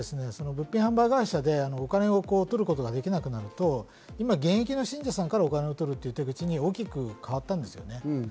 一方で物品販売会社でお金を取ることができなくなると、今、現役の信者さんからお金を取るという手口に大きく変わったんです。